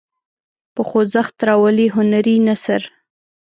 په خوځښت راولي هنري نثر.